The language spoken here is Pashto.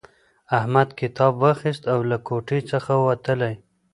احمد کتاب واخیستی او له کوټې څخه ووتلی.